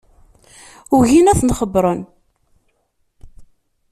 Ugin ad ten-xebbren.